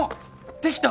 できた！